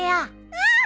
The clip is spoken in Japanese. うん！